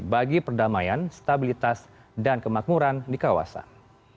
bagi perdamaian stabilitas dan kemakmuran di kawasan